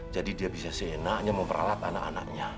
jadi dia bisa seenaknya memperalat anak anaknya